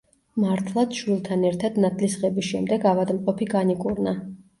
მართლაც შვილთან ერთად ნათლისღების შემდეგ ავადმყოფი განიკურნა.